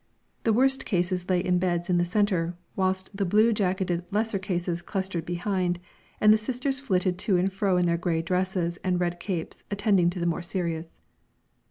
The worst cases lay in beds in the centre, whilst the blue jacketed lesser cases clustered behind, and the sisters flitted to and fro in their grey dresses and red capes attending to the more serious.